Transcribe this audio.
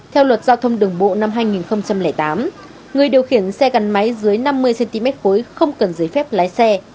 theo luật giao thông đường bộ năm hai nghìn tám người điều khiển xe gắn máy dưới năm mươi cm khối không cần giấy phép lái xe